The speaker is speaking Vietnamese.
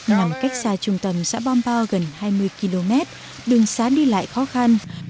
nằm cách xa trung tâm xã bom bao gần hai mươi km đường xá đi lại khó khăn